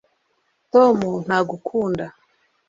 tom ntagukunda